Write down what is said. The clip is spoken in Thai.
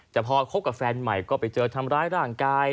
แต่พอคบกับแฟนใหม่ก็ไปเจอทำร้ายร่างกาย